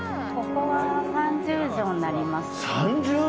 ここは３０畳になります。